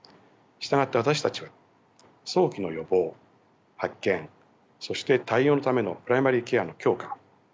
従って私たちは早期の予防発見そして対応のためのプライマリーケアの強化